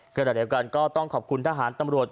ขณะเดียวกันก็ต้องขอบคุณทหารตำรวจ